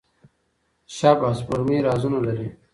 شبح سپوږمۍ رازونه لري.